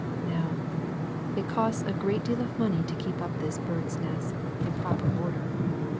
Now, it costs a great deal of money to ke( up this "Bird's Nest" in proper order.